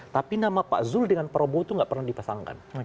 tapi nama pak zulkifil hasan dengan prabowo itu tidak pernah dipasangkan